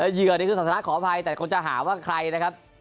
เหยื่อนี่คือศาสนาขออภัยแต่คงจะหาว่าใครนะครับ